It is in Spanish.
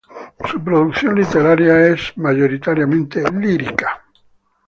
Su producción literaria es mayoritariamente lírica.